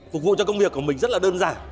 phục vụ cho công việc của mình rất là đơn giản